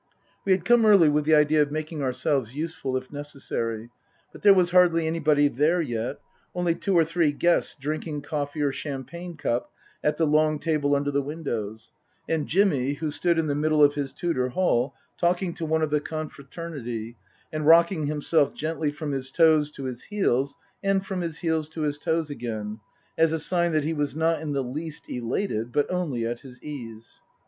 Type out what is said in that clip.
We had come early with the idea of making ourselves useful, if necessary ; but there was hardly anybody there yet, only two or three guests drinking coffee or champagne cup at the long table under the windows, and Jimmy, who stood in the middle of his Tudor hall, talking to one of the confraternity, and rocking himself gently from his toes to his heels and from his heels to his toes again, as a sign that he was not in the least elated, but only at his ease.